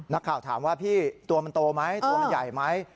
นักข่าวถามว่าพี่ตัวมันโตไหมตัวมันใหญ่ไหม